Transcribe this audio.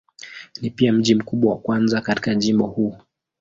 Ni pia mji mkubwa wa kwanza katika jimbo huu.